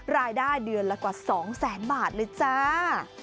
รายได้เดือนละกว่า๒แสนบาทเลยจ้า